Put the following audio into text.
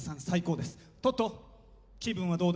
最高です！